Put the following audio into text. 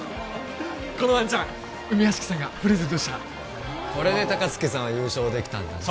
このワンちゃん梅屋敷さんがプレゼントしたこれで高槻さんは優勝できたんだな